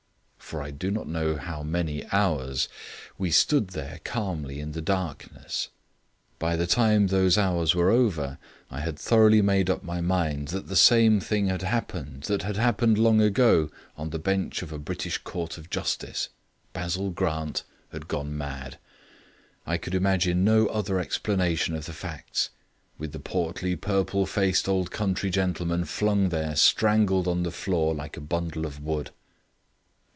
For I do not know how many hours we stood there calmly in the darkness. By the time those hours were over I had thoroughly made up my mind that the same thing had happened which had happened long ago on the bench of a British Court of Justice. Basil Grant had gone mad. I could imagine no other explanation of the facts, with the portly, purple faced old country gentleman flung there strangled on the floor like a bundle of wood.